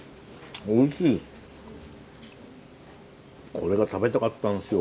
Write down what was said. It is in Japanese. これが食べたかったんですよ。